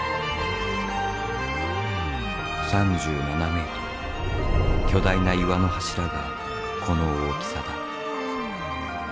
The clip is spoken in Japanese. ３７ｍ巨大な岩の柱がこの大きさだ。